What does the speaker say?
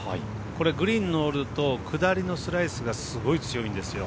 これ、グリーン乗ると下りのスライスがすごい強いんですよ。